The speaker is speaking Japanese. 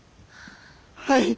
はい。